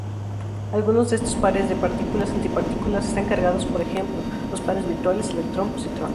Algunos de estos pares de partículas-antipartículas están cargados; por ejemplo, los pares virtuales electrón-positrón.